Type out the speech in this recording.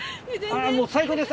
最高です